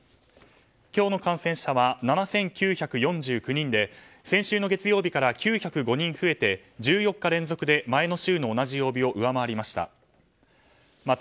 今日の感染者は７９４９人で先週の月曜日から９０５人増えて１４日連続で前の週の同じ曜日を上回りました。